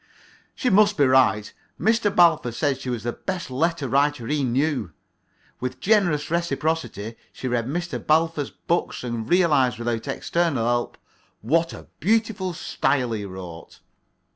She must be right. Mr. Balfour said she was the best letter writer he knew. With generous reciprocity she read Mr. Balfour's books and realized without external help "what a beautiful style he wrote."